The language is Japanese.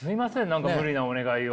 何か無理なお願いを。